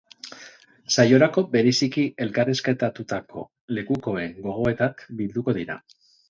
Saiorako bereziki elkarrizketatutako lekukoen gogoetak bilduko dira.